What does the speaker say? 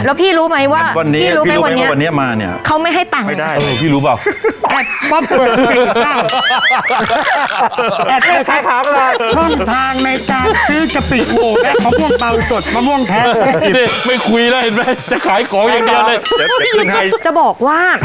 แล้วพี่รู้มั้ยว่า